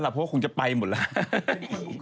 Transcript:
เพราะว่าคงจะไปหมดแล้ว